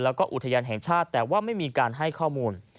แล้วก็อุทยานแห่งชาติแต่ว่าไม่มีการให้ข้อมูล